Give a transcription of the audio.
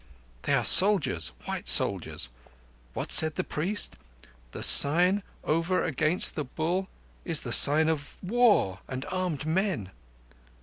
"They are soldiers—white soldiers. What said the priest? 'The sign over against the Bull is the sign of War and armed men.